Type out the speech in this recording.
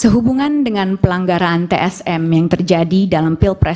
sehubungan dengan pelanggaran tsm yang terjadi dalam pilpres dua ribu dua puluh empat